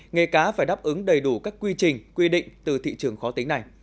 nghề cá phải đáp ứng đầy đủ các quy trình quy định từ thị trường khó tính này